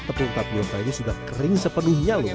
tepung tapioca ini sudah kering sepenuhnya loh